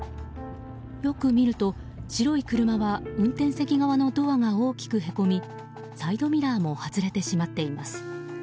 よく見ると、白い車は運転席側のドアが大きくへこみサイドミラーも外れてしまっています。